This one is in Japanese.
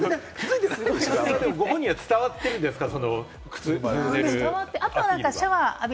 ご本人には伝わってるんですか？